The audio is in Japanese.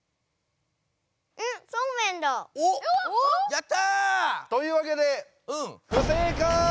やった！というわけでうん不正かい！